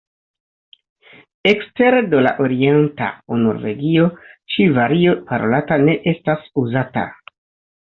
Ekstere de la orienta Norvegio ĉi vario parolata ne estas uzata.